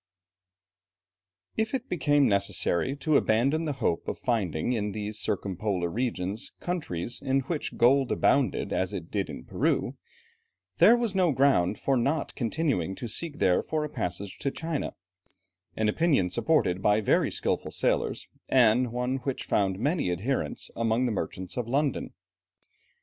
If it became necessary to abandon the hope of finding in these circumpolar regions countries in which gold abounded as it did in Peru, this was no ground for not continuing to seek there for a passage to China; an opinion supported by very skilful sailors, and one which found many adherents among the merchants of London.